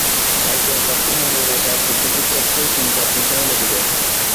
একজন প্রার্থীর মনোনয়নের কাগজপত্র ঠিক করতেও তিন-চার দিন সময় লেগে যায়।